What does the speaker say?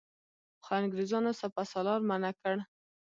خو انګرېزانو سپه سالار منع کړ.